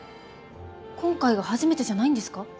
今回が初めてじゃないんですか？